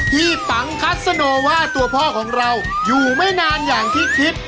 ปังคัสโนว่าตัวพ่อของเราอยู่ไม่นานอย่างที่คิด